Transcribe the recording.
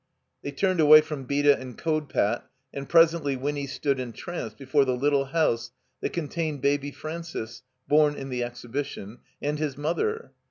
They turned away from Beda and Kodpat, and presently Winny stood entranced before the little house that contained Baby Francis (bom in the Exhibition) and his mother.